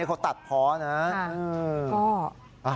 เขาตัดพอนะ